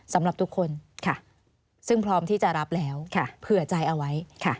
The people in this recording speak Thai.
สำหรับทุกคนซึ่งพร้อมที่จะรับแล้วเผื่อใจเอาไว้